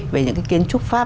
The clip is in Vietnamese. về những cái kiến trúc pháp